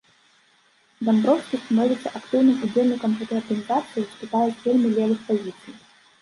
Дамброўскі становіцца актыўным удзельнікам гэтай арганізацыі, выступае з вельмі левых пазіцый.